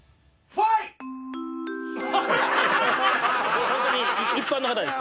これホントに一般の方です